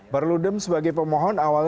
berludem sebagai pemohon awalnya